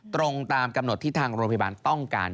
ตรงตามกำหนดที่ทางโรงพยาบาลต้องการ